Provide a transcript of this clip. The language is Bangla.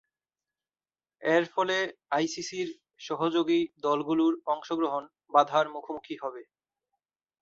এরফলে আইসিসি’র সহযোগী দলগুলোর অংশগ্রহণ বাঁধার মুখোমুখি হবে।